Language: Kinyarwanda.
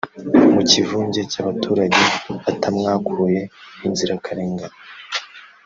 mu kivunge cy’abaturage batamwakuye b’inzirakarengane